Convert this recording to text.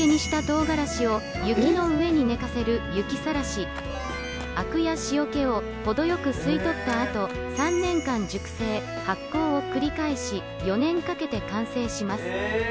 雪の上に寝かせる雪さらしあくや塩気をほどよく吸い取ったあと３年間熟成、発酵を繰り返し、４年かけて完成します。